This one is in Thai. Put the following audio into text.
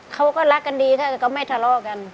เขาก็รักกันดีค่ะก็ไม่ทะเลาะกัน